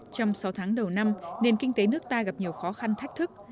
trong sáu tháng đầu năm nền kinh tế nước ta gặp nhiều khó khăn thách thức